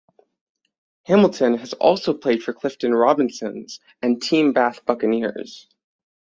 Hamilton has also played for Clifton Robinsons and Team Bath Buccaneers.